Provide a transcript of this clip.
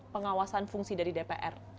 pengawasan fungsi dari dpr